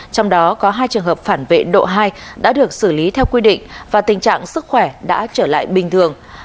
trong đó có hai trường hợp phản vệ độ hai đã được xử lý theo quy định và tình trạng sức khỏe đã trở lại bình thường